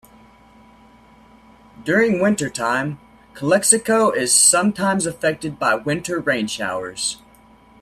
During winter time, Calexico is sometimes affected by winter rain showers.